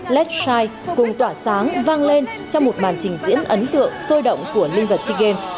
let s shine cùng tỏa sáng vang lên trong một màn trình diễn ấn tượng sôi động của linh vật sea games